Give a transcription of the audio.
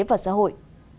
và xã hội